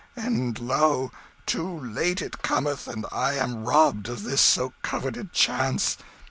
and lo, too late it cometh, and I am robbed of this so coveted chance.